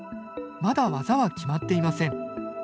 まだ技は決まっていません。